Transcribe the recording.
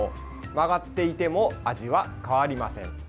曲がっていても味は変わりません。